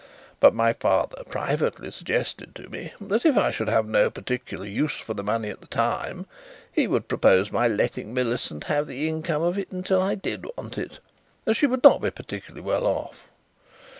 But my father privately suggested to me that if I should have no particular use for the money at the time, he would propose my letting Millicent have the income of it until I did want it, as she would not be particularly well off.